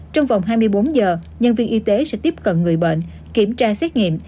trong vòng hai mươi bốn giờ nhân viên y tế sẽ tiếp cận người bệnh kiểm tra xét nghiệm